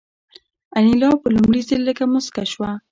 انیلا په لومړي ځل لږه موسکه شوه